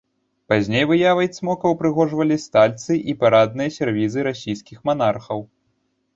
Пазней выявай цмока ўпрыгожвалі стальцы і парадныя сервізы расійскіх манархаў.